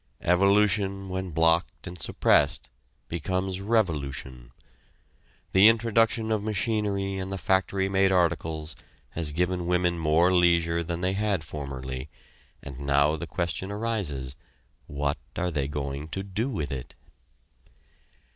Evolution when blocked and suppressed becomes revolution. The introduction of machinery and the factory made articles has given women more leisure than they had formerly, and now the question arises, what are they going to do with it?